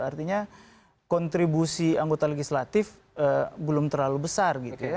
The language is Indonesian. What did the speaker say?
artinya kontribusi anggota legislatif belum terlalu besar gitu ya